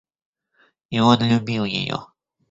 И он любил ее.